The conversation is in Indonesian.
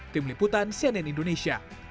tim liputan cnn indonesia